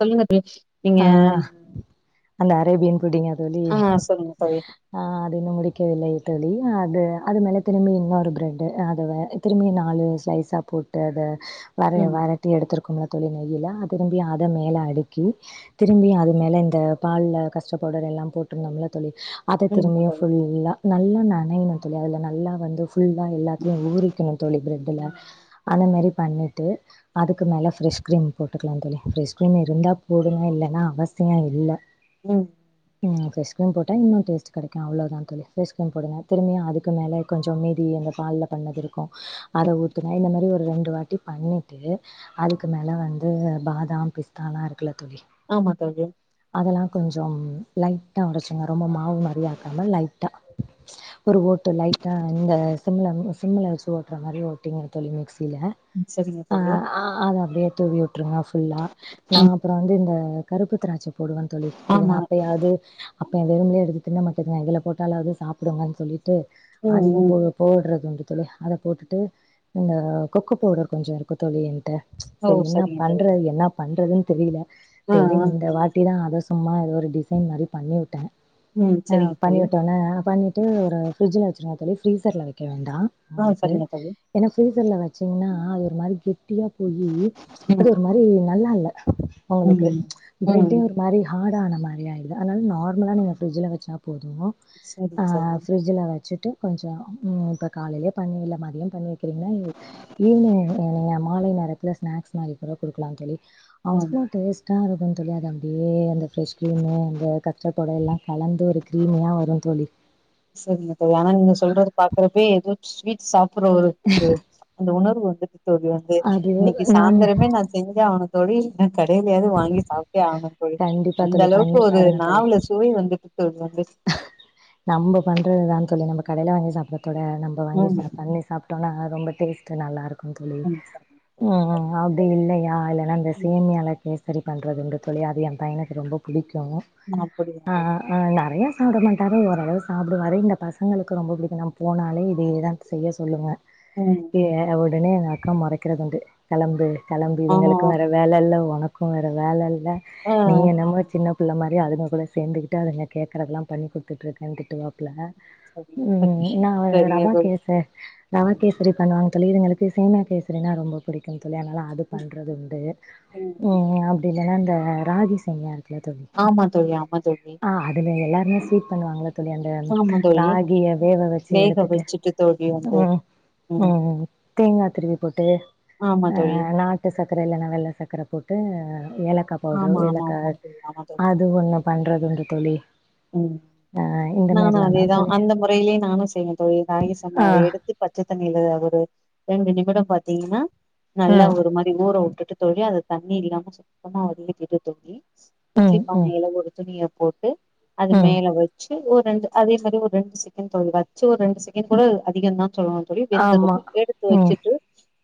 சொல்லுங்க பேச் ஆ அந்த அரேபியன் புட்டிங்கா தோழி ஆ சொல்லுங்க தோழி ஆ அது இன்னு முடிக்கவில்லை தோழி அது அது மெல்ல திரும்பி இன்னொரு ப்ரேட்டு ஆ தோழி திரும்பி நாலு ஸ்சைஸா போட்டு அத வர ம் வராட்டி எடுத்துருக்கும்ல தோழி வெயில திரும்பி அத மேல அடுக்கி திரும்பி அது மேல இந்த பால்ல கஷ்ட பவுடர் எல்லா போட்டிருந்தோம்ல தோழி அத ம் ஆமா திரும்பயு தோழி ஃபுல்லா நல்லா நனையணு தோழி அதுல நல்லா வந்து ஃபுல்லா எல்லாத்லயு ஊரிக்கணு தோழி பிரெட்டுல ம் அந்த மாரி பண்ணிட்டு அதுக்கு மேல ஃப்ரெஷ் கீரிம் போட்டுக்கலா தோழி ஃப்ரெஷ் கிரீம் இருந்தா போடுங்க இல்லன்னா அவசியோ இல்ல உம் உம் ஃப்ரெஷ் கிரீம் போட்டா இன்னு டேஸ்ட் கிடைக்கு அவ்ளோதா தோழி ஃப்ரெஷ் கிரீம் போடுங்க திரும்பியு அதுக்கு மேல கொஞ்சம் மீதி அந்த பால்ல பண்ணது இருக்கு அத ஊத்துங்க இந்த மாரி ஒரு ரெண்டு வாட்டி பண்ணிட்டு அதுக்கு மேல வந்து பாதாம் பிஸ்தாலா இருக்குல்ல தோழி ஆமா தோழி அதெல்லா கொஞ்சோ லைட்டா உடச்சிங்க ரொம்ப மாவு மாரியாக்காம லைட்டா ஒரு ஓட்டு லைட்டா இந்த சிம்மில சிம்மில வச்சு ஓட்டுற மாரி ஓட்டிங்க தோழி மிக்சில ம் சரிங்க ஆ தோழி ஆ அத அப்டியே தூவி வுட்டுருங்க ஃபுல்லா நா ம் அப்ற வந்து இந்த கருப்பு திராட்ச போடுவே தோழி இதுங்க ஆமா அப்பயாவது அப்ப வெறும்லே எடுத்து திண்ண மாட்டுதுங்க இதுல போட்டாலாவது சாப்புடுங்கன்னு சொல்லிட்டு ம் அதையு ம் போ போட்றது உண்டு தோழி அத போட்டுட்டு இந்த கொக்கோ பவுடர் கொஞ்ச இருக்கு தோழி என்ட்ட ஓ செரி என்ன சரிங்க தோழி பண்றது என்ன பண்ணுறதுன்னு தெரியல ஆ சேரி ஆ இந்த வாட்டி தா அத சும்மா அது ஒரு டிசைன் மாரி பண்ணிவுட்டே ம் ஆ சரிங்க தோழி பண்ணிவிட்டோனே பண்ணிட்டு ஒரு ஃப்ரிட்ஜ்ல வச்சிருங்க தோழி ஃப்ரீசர்ல வக்க வேண்டா ஆ உங்களுக்கு சரிங்க தோழி ஏன்னா ஃப்ரிசர்ல வச்சீங்கன்னா அது ஒரு மாரி கெட்டியாப்போயி அது ம் ஒரு மா ரி நல்லால்ல ஒங்களுக்கு ம் ம் ப்ரெட்டே ம் ஒரு மாரி ஹாடான மாரி ஆயிடுது அதனால நார்மலா நீங்க ஃப்ரிட்ஜில வச்சா போது ஆ சரிங்க தோழி ஃப்ரிட்ஜில வச்சிட்டு கொஞ்சோ ம் இப்ப காலைலயே பண்ணுவில மதியோ பண்ணி வக்கிறீங்கன்னா ஈவினிங் நீங்க மாலை நேரத்துல ஸ்நாக்ஸ் மாரி கூட குடுக்கலா தோழி ம் அவ்ளோ டேஸ்ட்டா இருக்கு தோழி அது அப்டியே அந்த ஃப்ரெஷ் க்ரீமு அந்த கச்சரப்படெல்லா கலந்து ஒரு க்ரீமியா வரு தோழி செரிங்க தோழி ஆனா நீங்க சொல்றது பாக்குறப்பே ஏதோ ஸ்வீட் சாப்புட்ற ஒரு அந்த உணர்வு வந்துடுது தோழி வந்து அது இன்னைக்கு நான் சாயந்திரமே நா செஞ்சி அவனுக்கு தோழி இல்லன்னா கடையிலயாது வாங்கி சாப்ட்டே ஆவணு தோழி கண்டிப்பாக அந்த தோழி அளவுக்கு பண்ணி ஒரு பாருங்கள் தோழி நாவுல சுவை வந்துட்டு சுவை வந்துட் நம்ப பண்றதுதா தோழி நம்ப கடைல வாங்கி சாப்புட்றதோட நம்ப வாங்கி ம் சாப் பண்ணி சாப் டோனா ரொம்ப டேஸ்ட்டு நல்லாருக்கு தோழி ம் சரிங்க ம் தோழி ம் சரிங்க அப்டி தோழி. இல்லையா இல்லனா இந்த ம் சேமியால கேசரி பண்றது உண்டு தோழி அது எ பையனுக்கு ரொம்ப புடிக்கு அப்படியா ஆ ஆ தோழி அ நெறையா சாப்ட மாட் ட ஓரளவு சாப்டுவாரு இந்த பசங்களுக்கு ரொம்ப புடிக்கு நம்ம போனாலே இதேதா செய்ய சொல்லுங்க ம் ஏறவுடனே எங்க அக்கா மொறைக்கிறதுண்டு கெளம்பு கெளம்பு ஆ இதுங்களுக்கு வேற வேலல்ல ஒனக்கு வேற வேலல்ல ஆ ஆ, நீ என்னமோ சின்ன புள்ள மாரி அதுங்க கூட சேந்துக்கி ட்டு அதுங்க கேக்குறதல்லா பண்ணி கொடுத்துட்டுருக்கனு திட்டுவா ப்புல சரி நா சரிங்க ரவா தோழி கேச ரவா கேசரி பண்ணுவாங்க தோழி இதுங்களுக்கு சேமியா கேசரினா ரொம்ப புடிக்கு தோழி அதனால அது ம், பண்றதுண்டு ம் ம் அப்டின்னு ஏனா இந்த ராகி சேமியா இருக்குல தோழி ஆமா தோழி ஆமா தோழி ஆ அதுல எல்லாருமே ஸ்வீட் பண்ணுவாங்கள தோழி அந்த அந் ஆமா தோழி ராகிய வேவ வெச்சு வேக எடுத்துட்டு வச்சுட்டு தோழி ம் வந்து ம் ம் ம் தேங்கா திருவி போட்டு ஆமா அ தோழி நா ட்டு சக்கர இல்லன்னா வெல்ல சக்கர போட்டு ஏலக்கா பவுடரு ஆமா ஆமா ஏலக்கா ஆமா தோழி ஆமா தோழி அ இதுவு என்ன பண்றது [unintelligible] தோழி ம் ஆ இந்த நானு மாரிலாந்தா அதேதா தோழி அந்த முறையிலயூ நானு செய்வ தோழி ராகி ஆ சமயாவ எடுத் து பச்ச தண்ணீல அதோட ரெண்டு நிமிடோ பாத்தீங்கன்னா நல்லா ம் ஒரு மாரி ஊறவுட்டுட்டு தோழி அத தண்ணியில்லாம சுத்தமா வடிக்கட்டிட்டு தோழி ம் இட்லி ம் பானையில ஒரு துணிய போட்டு அது ம் மேல வச் சி ஓர் ரெண்டு அதே மாரி ஒரு ரெண்டு செகண்ட் தோழி வச்சு ஒரு ரெண்டு செகண்ட் கூட அதிகந்தா சொல்லுவாங்க தொழி வெந்துரு ஆமா எடுத்து ம் வச்சுட்டு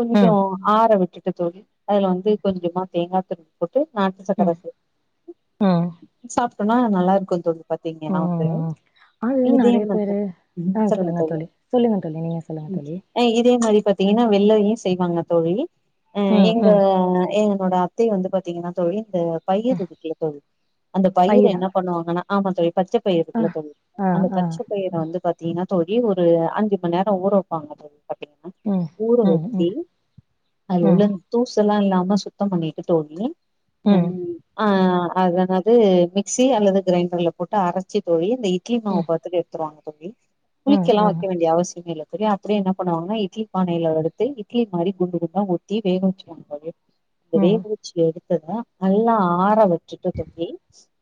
கொஞ்சோ ம் ஆற விட்டுட்டு தோழி அதுல வந்து கொஞ்சமா தேங்கா துருவி போட்டு நாட்டு சக்கர ம் சேத் ம் [inaudible] சாப்ட்டனா நல்லா இருக்கு தோழி பாத்தீங்கன்னா வந்து ஆ இதுல இதே நறையா வந்து பேரு ம் ஆ சொல்லுங்க தோழி சொல்லுங்க தோழி நீங்க சொல்லுங்க ம் தோழி அ இதே மாரி பாத்திங்கன்னா வெல்லயு செய்வாங்க தோழி அ ம் எங்க ம் எங்களோட அத் தைய வந்து பாத்திங்கன்னா தொழில் இந்த பயிர் இருக்குல்ல தோழி அந்த பயிர பயிரா என்ன பண்ணுவாங்கன்னா ஆமா தோழி பச்ச பயர் இருக்குல்ல தோழி ஆ அந்த ஆ பச்ச பயர் வந்து பாத்திங்கன்னா தோழி ஒரு அஞ்சு மண் நேரோ ஊர வெப்பாங்க தோழி ம் [inaudible] ஊற ம் ம் வச்சி ம் அது [inaudible] தூசலா இல்லாம சுத்தம் பண்ணிட்டு [inaudible] ம் ஆ அதனது மிக்சி அல்லது கிரைண்டர்ல போட்டு அரச்சி தோழி இந்த இட் ட்லி மாவு பாத்துக்க எடுத்தருவாங்கா தோழி ம் புளிக்கல்லா ம் வெக்க இங்க அவசியமே இல்ல தோழி அப்புடியே என்ன பண்ணுவாங்கன்னா இட்லி பானைல வடுத்து இட்லி மாரி குண்டு குண்டா ஊத்தி வேணு [unintelligible] அத ம் வேங்க வெச்சி எடுத்தத நல்லா ஆற வச்சுட்டு தூங்கி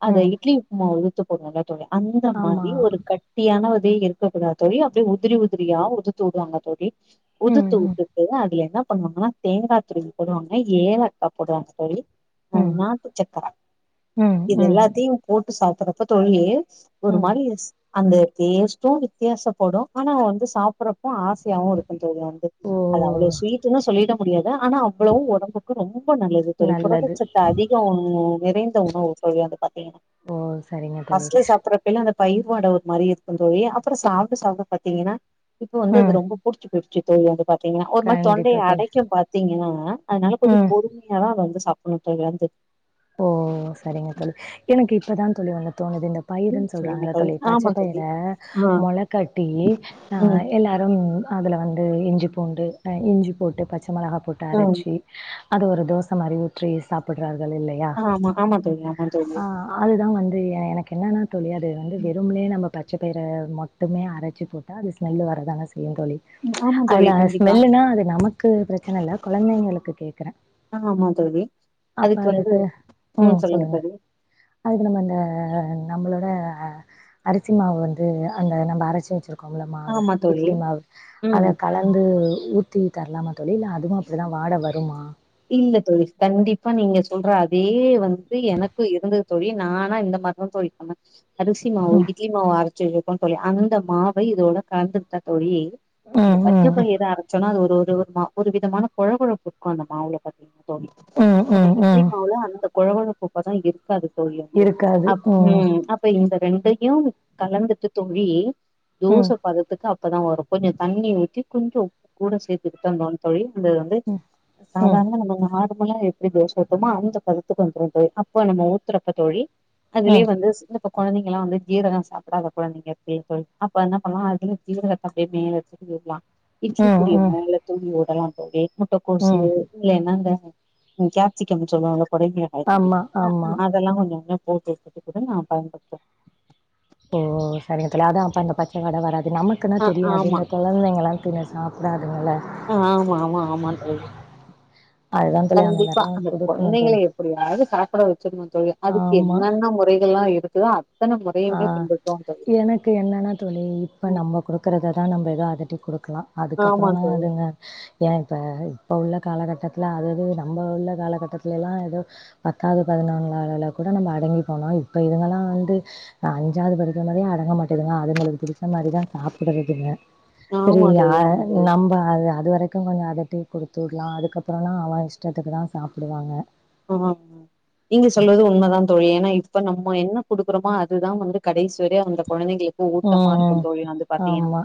அத ம் இட்லி மாவு உழுத்து [inaudible] அந்த ஆமா மாரி ஒரு கட் டியான இதே இருக்கக்கூடாது தோழி அப்படே உதிரி உதிரியா உதுத்து உடுவாங்க தோழி ம் உதுத்து ம் உட்டுட்டு அதுல என்ன பண்ணுவாங்கனா தேங்கா துருவி போடுவாங்க ஏலக்கா போடுவாங்க தோழி நா ம் டுச்சக்கர ம் இது ம் எல்லாத்தையு போட்டு சாப்படுறப்ப [unintelligible] ஒரு ம் மாரி அந்த டேஸ்ட்டு வித்தியாசப்படு அனா வந்து சாப்பட்றப்ப ஆசையாகவு இரு [unintelligible] ஓ அது அவ்ளோ ஸ்வீட்டுனு சொல்லிட முடியாது அனா அவ்வளவு ஒடம்புக்கு ரொம்ப நல்லது தோழி நல்லது புரதச்சத்த அதி கோ நிறைந்த உணவு தோழி அது பாத்திங்கன்னா ஓ சரிங்க தோழி பஸ்ட்டே சாப்படறபைலா அந்த தயிர் வாடா ஒரு மாரி இருக்கு தோழி அப்பறோ சாப்ட சாப்ட பாத்திங்கன்னா இப்ப வந்து ம் அது ரொம்ப புடிச்சி [unintelligible] தோழி வந்து பாத்திங்கன்னா ஒரு மாரி கண்டிப்பா தொண்டைய தோழி அடைக்கு பாத்திங்கன்னா அதனால கொஞ்சோ ம் பொறும அ வந்து சாப்படனு [unintelligible] வந்து ஓ செரிங்க தோழி எனக்கு இப்பதா தோழி ஒன்னு தோணுது இந்த ம் பயிருன்னு சொல்லுங்க சொல்றாங்களா தோழி பச்ச ஆமா பயர தோழி ஆ மொளக்கட்டி ஆ ம் எல்லாரு அதுல வந்து இஞ்சி பூண்டு ன இஞ்சி போட்டு பச்ச மெளகா போட்டு ம் அரச்சி அது ஒரு தோச மாரி ஊற்றி சாப்பிடுறார்கள் இல்லை ஆ ஆமா ஆமா தோழி ஆமா தோழி அது தான் வந்து எனக்கு என்னென்னா தோழி அது வந்து வெறும்லே நம்ம பச்சைப்பயிற மட்டுமே அரைச்சி போட்டா அது ஸ்மெல்லு வரதாங்க செய்யும் தோழி ம். ஆமா தோழி அதுல கண்டிப்பா ஸ்மெல்லுன்னா அது நமக்கு பிரச்சனை இல்ல கொழந்தைங்களுக்கு கேக்குறேன் ஆ ஆமா தோழி அப்ப அதுக்கு ம் சொல்லுங்க அதுக்கு நம்ம அந்த நம்மளோட அரிசி மாவு வந்து அந்த நம்ம அரைச்சு வச்சிருக்கோம்ல மாவு ஆமா தோழி இட்லி மாவு ம் அத கல வந்து ஊத்தி தரலாமா தோழி இல்ல அதுவும் அப்டி தான் வாட வருமா இல்ல தோழி கண்டிப்பா நீங்க சொல்ற அதே வந்து எனக்கும் இருந்தது தோழி நானா இந்த மாரி தா தோழி அமக்ஸ் அரிசி மாவு ம் இட்லி மாவு அரைச்சுருக்கோம் தோழி அந்த மாவை இதோட கலந்துடுத்தா தோழி இந்த பச்சைப் ம் பயிற ஏதா அரைச்சோன்னா அது ஒரு ஒரு ஒரு மா ஒரு விதமான குழ குழப்பு இருக்கும் அந்த மாவுல பாத்தீங்கன்னா தோழி ம் ம் நம்ம ம் இட்லி ம் மாவுல அந்த குழ குழப்பு பதம் இருக்காது தோழி வந்து அப் ம் அப் இப்ப இந்த ரெண்டையும் கலந்துட்டு தோழி ம் தோசை பாதத்துக்கு அ அப்போதான் வரும் கொஞ்சோ தண்ணி ஊத்தி கொஞ்சோ உப்பு கூட சேர்த்துக்கிட்டு அந்த ஒன் தோழி அந்த வந்து ம் ம் சாதாரணமா நம்ம ஆ நம்மலாம் எப்டி தோச ஊத்தனுமோ அந்த பதத்துக்கு வந்துடும் தோழி அப்ப நம்ம ஊத்துறப்ப தோழி அதுலயே ம் வந்து சின்ன ப கொழந்தைகலாம் வந்து ஜீரகம் சாப்பிடாத குழந்தைங்க சேரி தோழி அப்ப என்ன பண்லாம் அதுல ஜீரகத்தைப்ப மேலச்சு செஞ்சிறலாம் இடிச்ச ம் கூடிய ம் மாவுல தூங்கி ஓடலாம் தோழி முட்ட கோசு ம் இல்ல என்னங்க அ கேப்சிக்கம்னு சொல்லுவாங்கல குறைங்க ஆமா ஆமா அதெல்லா கொஞ்ச கொஞ்சோ போட் வச்சுடு கூட நா பயன்படுத்துவ ஓ சரிங்க தோழி அதா அப்ப அந்த பச்சவாட வராது நமக்குனா ஆ தெரியாது ஆமா இந்த கொ ழந்தைங்களா தின்ற ஸ்நாக்ஸ் தான் அதுங்கள ஆ ஆமா ஆமா ஆமா தோழி அதுதான் தோழி கண்டிப்பா மாரிலாம் அந்த குடுக்கணும் குழந்தைகளே தோழி எப்டியாது சாப்ட வச்சிர்னு தோழி அதுக்கு ஆமா என்னென்ன முறைகள் எல்லா இருக்குதோ ஆ ஏங்க சொல்லுச்சா எனக்கு என்னெனா தோழி இப்ப நம்ம குடுக்குறத தா நம்ம எதோ அதட்டி குடுக்கலா ஆமா அதுக்கப்புறலா தோழி அதுங்க ஏ இப்ப இப்ப உள்ள காலகட்டத்துல அதது நம்ம உள்ள காலகட்டத்துலலா ஏதோ பத்தாவது பதினொன்னாதுல கூட நம்ம அடங்கி போனோ இப்ப இதுங்கெல்லா வந்து அஞ்சாது படிக்கும் போதே அடங்க மாட்டேதுங்க அதுங்களுக்கு புடிச்ச மாரிதா சாப்டுதுங்க சரி ஆமா யா தோழி ஆமா தோழி நம்ம அது அதுவரை க்கும் கொஞ்சோ அதடீ குடுத்துடலாம் அதுக்கப்புறம்னா அவன் இஷ்டத்துக்கு தா சாப்டுவாங்க ஆமாங்க நீங்க சொல்வது உண்மைதா தோழி ஏனா இப்ப நம்ம என்ன குடுக் குறமோ அதுதா வந்து கடைசி வர அந்த குழந்தைங்களுக் ஊட்டமா ம் இருக்கு தோழி வந்து பாத்தீங்கன்னா ஆமா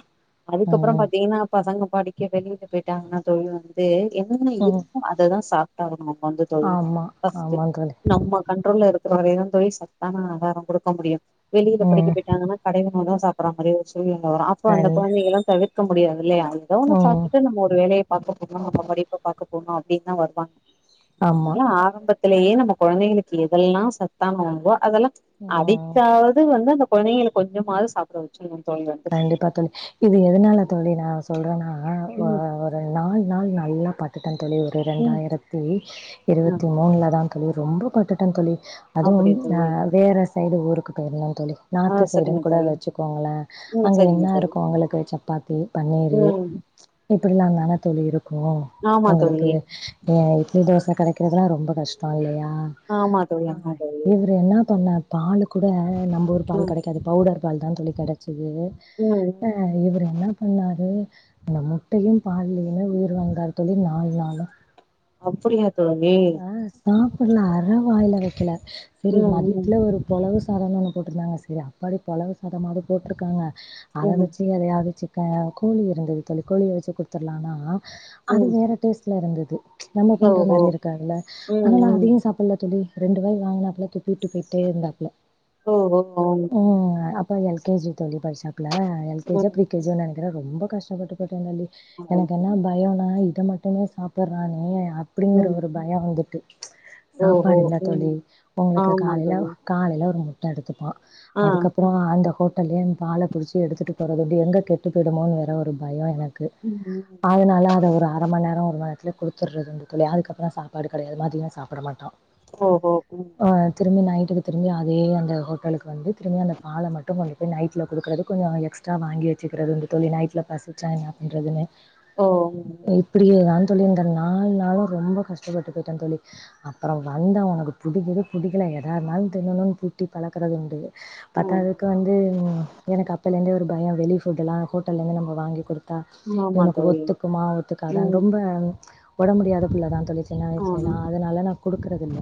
அதுக்கப்புற ம் பாத்தீங்கன்னா பசங்க படிக்க வெளில போயிட்டாங்கன்னா தோழி வந்து என்னென்ன ம் இருக்கோ அததா சாப்பிட்டாகனு வந்து தோழி ஆமா ஃபஸ்ட்டு ஆமா தோழி நம்ம கண்ட்ரோல்ல இருக்கிற வரைதா தோழி சத்தான ஆகாரம் குடுக்க முடியு வெளில படிக்க ம். போயிட்டாங்கன்னா கடைல நொதோ சாப்பிட மாறி ஒரு சூழ்நில வரும் அப்போ அந்த கண் குழந்தகளா தவிர்க்க முடியாதில்லையா அது ஏதோன்னு ம். சாப்டுட்டு நம்ம ஒரு வேலய பாக்க போனு நம்ம படிப்ப பாக்க போணும் அப்டினு தா வருவாங் ஆமா. அதனால ஆரம்பத்திலேயே நம்ம குழந்தைகளுக்கு எதெல்லா சத்தான உணவோ அதெல்லா ம். அடிக்டாவது வந்து அந்த குழந்தைகள கொஞ்சமாது சாப்பிட வச்சுனு தோழி வந்து கண்டிப்பா தோழி இது எதுனால தோழி நா சொல்றன்னா அ ம் ஒரு நால் நாள் நல்லா பாத்துட்டே தோழி பி ம் இரண்டாயிரத்தி ஆ இருபத்தி மூணுல தா தோழி ரொம்ப பட்டுட்ட தோழி அதுவு அப்படியா தோழி அ வேற சைடு ஊருக்கு போயிருந்தே தோழி ஆ நார்த்து சரிங்க சைடுன்னு கூட தோழி வச்சுக்கோங்ளே ம் அங்க சரிங்க என்ன தோழி இருக்கு அவங்களுக்கு சப்பாத்தி பன்னீரு ம் ம்ச் இப்பிடிலா தான தோழி இருக்கு ஆமா உங்களுக்கு தோழி ஏ இட்லி தோச கடைக்கிறதுலா ரொம்ப கஷ்டோ இல்லையா ஆமா தோழி ஆமா தோழி இவர் என்ன பண்ண பாலு கூட நம்புரு பால் ம் கெடைக்காது பவுடர் பால் தா தோழி கிடச்சிது ம் ஆ இவரு என்ன பண்ணாரு அந்த முட்டையு பால்லையுமே உயிர் வாழ்ந்தாரு தோழி நால் நாளா அப்படிங்களா தோழி ஆ சாப்பிட்ல அர வாயில வைக்கல செரி ம் ம் மதியத்துல ஒருப் பொலவு சாதம்ன்னு ஒன்னு போட்ருந்தாங்க சேரி அப்பாடி பொலவு சாதமாது போட்ருக்காங்க அத ம் வச்சு எதையாவது சிக்ககு இருந்துது தோழி கோழிய வச்சு குடுத்துடலானா அது ம் வேற டேஸ்ல இருந்தது ம்ச் நம்ம பண்ற ஓஹோ மாரி இருக்காதுல்ல ம் ஆனாலு ம் அதயு சாப்பில்ல தோழி ரெண்டு வாய் வாங்னாப்புல துப்பிட்டு போயிட்டே இருந்தாப்புல ஓஹோ [inaudible] ம். அப்ப L K G U K G படிசாப்பில எ கே ஜியோ ம் ப்ரி கே ஜு யோனு நனைக்கிற ரொம்ப கஷ்டபட்டு போய்டே தோழி எனக்கு என்ன பயோனா இத மட்டுமே சாப்பிடுறானே அப்டிங்கற ம் ஒரு பயோ வந்துட்டு ம்ச் ஓஹோ சாப்பாடு இல்லா ம் தோழி உங்களுக்கு ஆமா காலைல தோழி காலைல ஒரு முட்ட எடுத்துப்பா ஆ அதுக்கப்புற அந்த ஹோட்டல்லயே இவ பால புடிச்சு எடுதிட்டு போறது இது எங்க கெட்டு போய்டுமோனு வேற ஒரு பயோ எனக்கு ம் அதனால அத ஒரு அர மண் நேரோ ஒரு மண்நேரத்துலே குடுத்துடுறதுங்க தோழி அதுக்கப் புறோ சாப்பாடு கடயாது மதியோ சாப்பிட மாட்டா ஓஹோ ம் அ திரும்பி நைட்டுக்கு திரும்பி அதே அந்த ஹோட்டலுக்கு வந்து திரும்பி அந்த பால மட்டு கொண்டுட்டு நைட்ல கொடுக்கறதுக்கு கொஞ்சோ அங்க எக்ஸ்ட் ட்றா வாங்கி வச்சிக்கிறதுங்க தோழி நைட்ல பசிச்சா என்ன பண்றதுன்னு ஓ ம்ம் இப்படியே தா தோழி இந்த நாலு நாளு ரொம்ப கஷ்டப்பட்டு போயிட்டோ தோழி அப்புறோ வந்தா உனக்கு புடிக்குது புடிக்கல எதா இருந்தாலு தின்ணும்னு புட்டி பழக்கறது உண்டு ம் பாத்தாதுக்கு வந்து ம் எனக்கு அப்பலேந்தே ஒரு பயோ வெளி ஃபுட் எல்லாம ஹோட்டல்லந்து நம்ம வாங்கி குடுத் தா ம் ஆமா இவனுக்கு தோழி ஒத்துக்குமா ம் ஒத்துக்கான்னு ம் ரொம்ப ஒடம் முடியாத புள்ளதா தோழி சின்ன ஆ வயசுலெல்லா அதனால நா குடுக்குறது இல்ல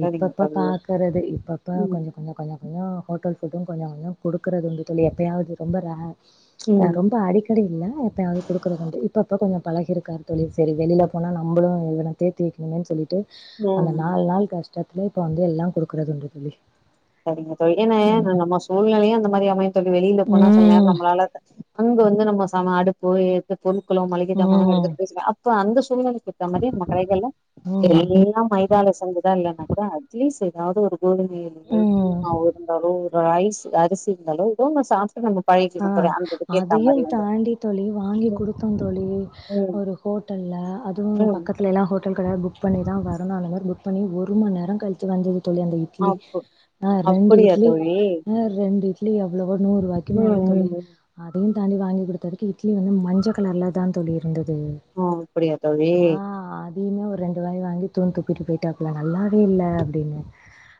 சரிங்க இப்பப்ப தோழி பாக்கறது இப்பப்ப ம் கொஞ்சோ கொஞ்சோ கொஞ்சோ கொஞ்சோ ஹோட்டல் ஃபுட்டு கொஞ்சோ கொஞ்சோ குடுக்கிறது வந்துட்டு இல்ல இப்பயாவது ரொம்ப ரேர் ம்ச் ம் ரொம்ப அடிக்கடி இல்ல எப்பாவது குடுக்குறது உண்டு இப்பப்ப கொஞ்சோ பழகிருக்காரு தோழி செரி வெளியில ம் போனா நம்மளு இவன தேத்தி வைக்கணுன்னு சொல்லிட்டு அந்த ம் நாலு நாள் கஷ் கப்புல இப்ப வந்து எல்லா குடுக்குறது உண்டு தோழி சரிங்க தோழி ஏன்ன ம் நம்ம சூழ்நிலையு அந்த மாரி அமையு தோழி வெளில போனா சில நேரோ ம் நம்மளால அத அங்க வந்து நம்ம சம அடுப்பு ஏத்த பொருள்களு மளிகை ஜாமா ம் எடுத்துட்டு [inaudible] அப்ப அந்த சூழ்நிலைக்கு அந்த மாரியான கடைகள்லா ம் எல்லா மைதால செஞ்சதா இல்லைன்னா கூட அட்லீஸ் ஏதாவது ஒரு கோதுமை இருந்து இட்லி ம் மாவு இருந்தாலு ரைஸ் அரிசி இருந்தாலு இதவு நா சாப்பிட்டு நானு ஆ அதையு தாண்டி தோழி வாங்கி ம் குடுத்தோ தோழி ம் ஒரு ஹோட்டல்ல அதுவு ம் பக்கத் துலெல்லா ஹோட்டல் கட புக் பண்ணி தா வரணு அந்த மாரி புக் பண்ணி ஒரு மண் நேரோ கழ்ச்சி வந்துது தோழி அந்த இட்லி அப் ஆ ரெண்டு அப்படியா இட்லி தோழி அ ரெண்டு இட்லி எவ்ளவு நூர்ருவாய்க்கு ம் மேல ம் ம் அதயு தாண்டி வாங்கி குடுத்ததுக்கு இட்லி வந்து மஞ்ச கலர்ல தா தோழி இர்ந்தது ஆ அப்டியா தோழி மினிமோ ஒர் ரெண்டு வாய் வாங்கி தூன் துப்பிட்டு போய்ட்டாப்புல நல்லாவே இல்ல அப்டினு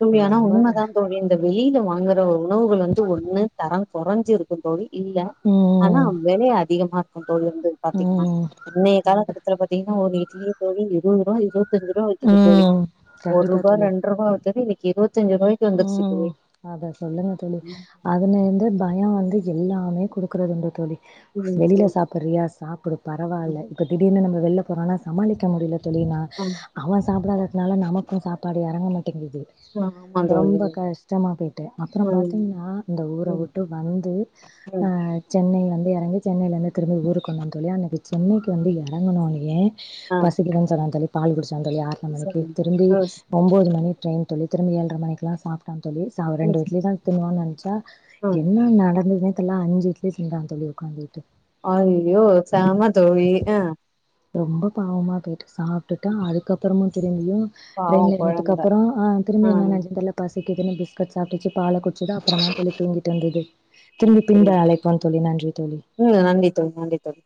தோழி ஆனா உண்ம தாங் தோழி இந்த வெளில வாங்கற உணவுகள் வந்து ஒன்னு தரம் கொறஞ்சிருக்கு தோழி இல்ல ம் ஆனா வெலை அதிகமார்க்கு தோழி வந்து ம் பாத்தீங்ன்னா ம் இன்றைய கண்டு காலக்கட்டத்துல பாத் தீங்னா ஒரு இட்லியே தோழி இருவர்ருபா இருவத்தஞ்சுருபா விக்கிது தோழி ம் கண்டிப்பா ஒருபா தோழி ரெண்ட்ருபா எப்பவுமே விக்கி இருவத்தஞ்சுருபாய்க் ம் அத சொல்லுங்க தோழி ம் அதுல இருந்து பயோ வந்து எல்லாமே குடுக்கறதுண்டு தோழி ம் வெளில சாப் பறியா சாப்பிடு ம் பரவால்ல இப்ப திடீர்னு நம்ம வெள்ல போறோன்னா சமாளிக்க முடியில தோழி நா ம் அவ சாப்டாதத்னால நமக்கு சாப்பாடு எறங்க மாட்டேங்கிது அ ஆமா தோழி ரொம்ப கஷ்டமா போய்ட்டு அப்பறோ ம் பாத்தீங்ன்னா இந்த ஊர ம் வுட்டு வந்து ஆ ம் சென்னை வந்து எறங்கி சென்னைலிர்ந்து திரும்பி ஊருக் வந்தோ தோழி அன்னைக்கி சென்னைக் வந்து எறங்குனோனயே ஆ பசிக்குதுன் சொன்னா தோழி பால் குடிச்சா தோழி ஆற்ர மணிக்கு சரிங்க திரும்பி ஆ ம் ஒம்போது மணி ட்ரெய்ன் தோழி திரும்பி ஏழ்ர மணக்குல்லா சாப்ட்டா தோழி ச அவ ம் ரெண்டு ஸ்- இட்லி தா தின்னுவான் நெனச்ச ஆ. என்ன நடந்ததுனே தெர்ல அஞ்சு இட்லி திங்கறா தோழி உக்காந்துகிட்டு அய்யோ செம தோழி அ ரொம்ப பாவமா போய்ட்டு சாப் ட்டுட்டா அதுக்கப்பறம் திரும்பியும் பாவோ ட்ரெய்ன்ல கொழந்த ஏர்னத்துக்கப்பறோ அ ஆ திரும்பியு என்ன நென்ச்துன் தெர்ல பசிக்கிதுன்னு பிஸ்கட் சாப்ட்டுச்சு பால குட் ச்சுது அப்றோ தா தோழி தூங்கிட்ருந்தது திரும்பி பின்பு அழைப்போம் தோழி நன்றி தோழி மிகவு நன்றி தோழி நன்றி தோழி